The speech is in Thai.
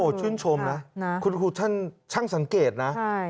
ชื่นชมนะคุณครูช่างสังเกตนะ